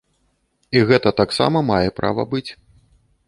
І гэта таксама мае права быць.